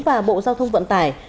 và bộ giao thông vận tải